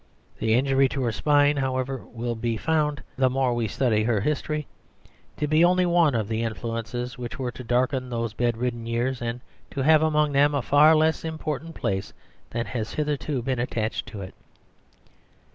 The injury to her spine, however, will be found, the more we study her history, to be only one of the influences which were to darken those bedridden years, and to have among them a far less important place than has hitherto been attached to it.